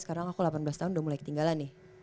sekarang aku delapan belas tahun udah mulai ketinggalan nih